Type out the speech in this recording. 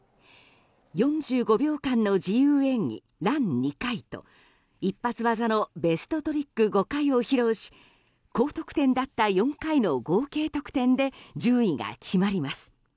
４５秒間の自由演技ラン２回と一発技のベストトリック５回を披露し高得点だった４回の合計得点で順位が決まります。